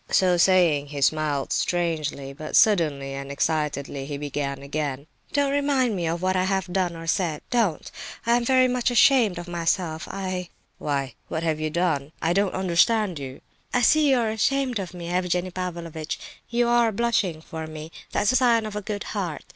So saying he smiled strangely; but suddenly and excitedly he began again: "Don't remind me of what I have done or said. Don't! I am very much ashamed of myself, I—" "Why, what have you done? I don't understand you." "I see you are ashamed of me, Evgenie Pavlovitch; you are blushing for me; that's a sign of a good heart.